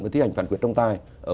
và thi hành phán quyết trọng tài